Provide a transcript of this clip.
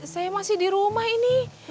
saya masih di rumah ini